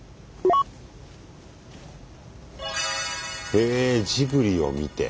へぇジブリを見て。